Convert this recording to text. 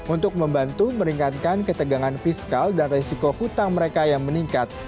untuk membantu meningkatkan ketegangan fiskal dan resiko hutang mereka yang meningkat